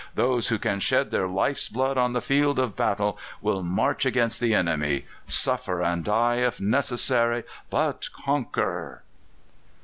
Those who can shed their life's blood on the field of battle will march against the enemy suffer and die, if necessary, but conquer!"